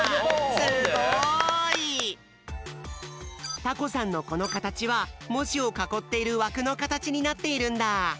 すごい！タコさんのこのかたちはもじをかこっているわくのかたちになっているんだ。